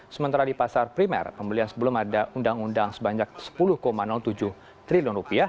sementara di pasar primer pembelian sebelum ada undang undang sebanyak rp sepuluh tujuh triliun